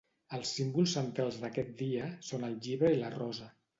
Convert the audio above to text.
Els símbols centrals d'aquest dia són el llibre i la rosa.